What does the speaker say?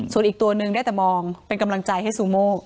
ส่วนอีกตัวนึงได้แต่มองเป็นกำลังใจให้ซูโม่